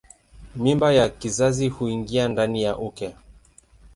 Mimba ya kizazi huingia ndani ya uke.